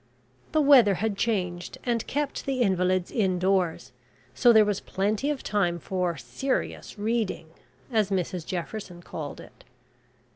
The weather had changed, and kept the invalids indoors, so there was plenty of time for "serious reading," as Mrs Jefferson called it.